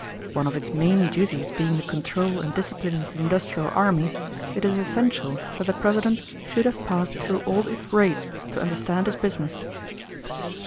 One of its main duties being the control and discipline of the industrial army, it is essential that the President should have passed through all its grades to understand his business."